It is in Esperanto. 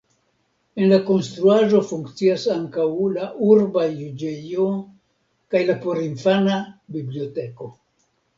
En la konstruaĵo funkcias ankaŭ la urba juĝejo kaj la porinfana biblioteko.